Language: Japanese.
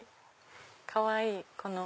かわいい！